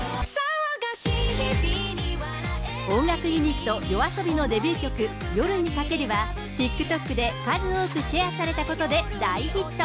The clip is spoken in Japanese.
音楽ユニット、ＹＯＡＳＯＢＩのデビュー曲、夜に駆けるは、ＴｉｋＴｏｋで数多くシェアされたことで大ヒット。